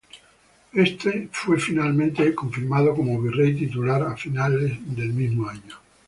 Éste fue finalmente confirmado como virrey titular a fines del mismo año.